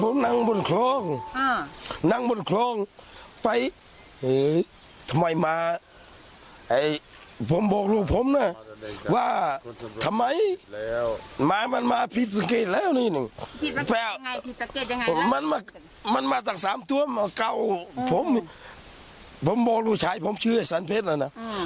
มันมาตั้งสามตัวมาเก่าผมผมบอกลูกชายผมเชื่อสันเผ็ดอ่ะน่ะ